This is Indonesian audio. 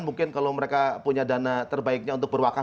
mungkin kalau mereka punya dana terbaiknya untuk berwakaf